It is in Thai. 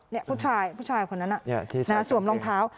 นี่ผู้ชายผู้ชายคนนั้นสวมรองเท้า